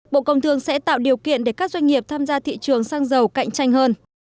bộ công thương sẽ tạo điều kiện để các doanh nghiệp tham gia thị trường xăng dầu cạnh tranh hơn